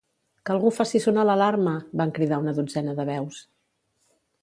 "Que algú faci sonar l'alarma!" van cridar una dotzena de veus.